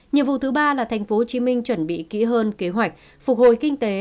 nhiệm vụ thứ ba là tp hcm chuẩn bị kỹ hơn kế hoạch phục hồi kinh tế